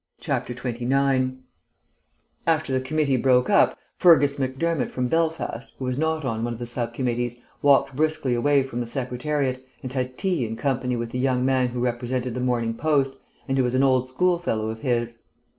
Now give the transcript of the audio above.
29 After the committee broke up, Fergus Macdermott from Belfast, who was not on one of the sub committees, walked briskly away from the Secretariat, and had tea in company with the young man who represented the Morning Post, and who was an old school fellow of his.